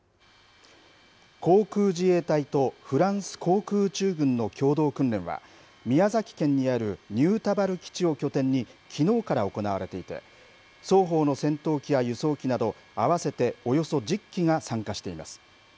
航空自衛隊とフランス航空宇宙軍の共同訓練は宮崎県にある新田原基地を拠点にきのうから行われていて双方の戦闘機や輸送機など合わせておよそ１０機が参加しています。